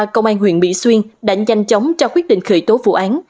công an huyện mỹ xuyên đã nhanh chóng cho quyết định khởi tố vụ án